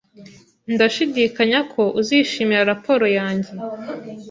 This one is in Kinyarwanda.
Ndashidikanya ko uzishimira raporo yanjye